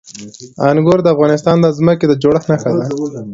انګور د افغانستان د ځمکې د جوړښت نښه ده.